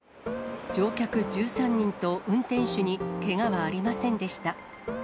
乗客１３人と運転手にけがはありませんでした。